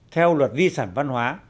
theo luật di sản văn hóa